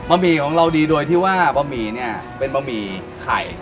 หมี่ของเราดีโดยที่ว่าบะหมี่เนี่ยเป็นบะหมี่ไข่